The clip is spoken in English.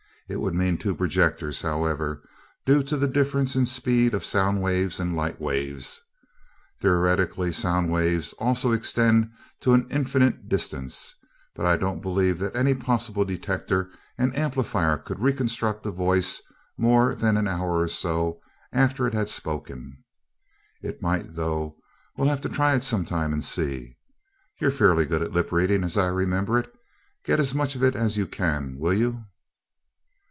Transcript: It would mean two projectors, however, due to the difference in speed of sound waves and light waves. Theoretically, sound waves also extend to an infinite distance, but I don't believe that any possible detector and amplifier could reconstruct a voice more than an hour or so after it had spoken. It might, though we'll have to try it some time, and see. You're fairly good at lip reading, as I remember it. Get as much of it as you can, will you?"